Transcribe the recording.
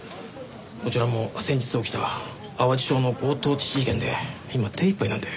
こちらも先日起きた淡路町の強盗致死事件で今手いっぱいなんで。